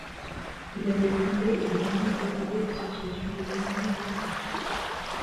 Il avait fondé et longtemps présidé l'Association d'économie politique.